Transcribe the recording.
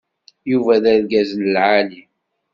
Yuba d argaz n lɛali.